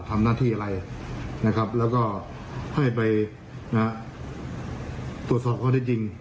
ทำหน้าที่อะไรนะครับแล้วก็ให้ไปตรวจสอบข้อได้จริง